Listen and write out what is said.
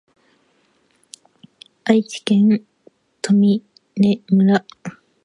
愛知県豊根村